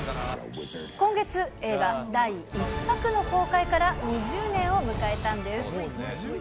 今月、映画第１作の公開から２０年を迎えたんです。